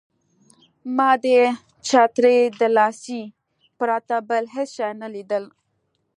ما د چترۍ د لاسۍ پرته بل هېڅ شی نه لیدل.